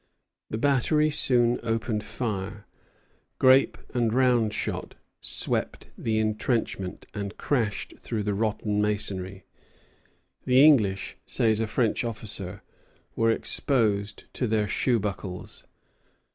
The battery soon opened fire. Grape and round shot swept the intrenchment and crashed through the rotten masonry. The English, says a French officer, "were exposed to their shoe buckles."